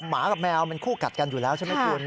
หมากับแมวมันคู่กัดกันอยู่แล้วใช่ไหมคุณ